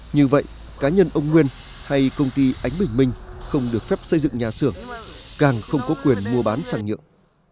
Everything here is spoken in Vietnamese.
như vậy cá nhân ông nguyên hay công ty ánh bình minh không được phép xây dựng nhà xưởng càng không có quyền mua bán sang nhượng